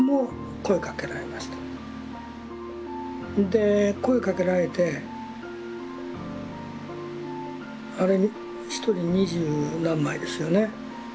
で声かけられてあれ一人二十何枚ですよね。